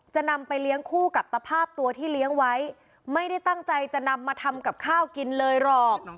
จะนำไปเลี้ยงคู่กับตภาพตัวที่เลี้ยงไว้ไม่ได้ตั้งใจจะนำมาทำกับข้าวกินเลยหรอก